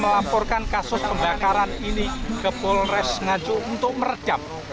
kita melaporkan kasus pembakaran bendera pdip yang ada di kapolres nganjuk untuk merejam